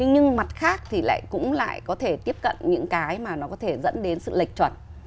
nhưng mặt khác thì lại cũng lại có thể tiếp cận những cái mà nó có thể dẫn đến sự lệch chuẩn